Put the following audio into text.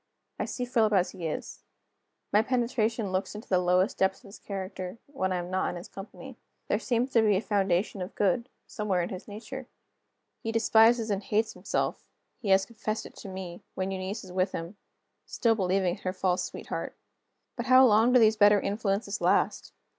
I see Philip as he is. My penetration looks into the lowest depths of his character when I am not in his company. There seems to be a foundation of good, somewhere in his nature. He despises and hates himself (he has confessed it to me), when Eunice is with him still believing in her false sweetheart. But how long do these better influences last?